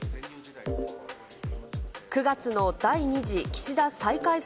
９月の第２次岸田再改造